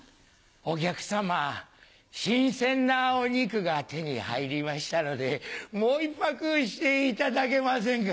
お客さま新鮮なお肉が手に入りましたのでもう１泊していただけませんか。